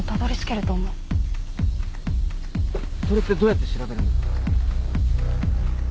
それってどうやって調べるんですか？